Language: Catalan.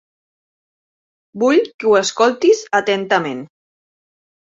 Vull que ho escoltis atentament.